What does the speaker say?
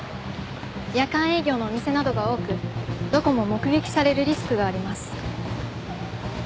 夜間営業のお店などが多くどこも目撃されるリスクがあります。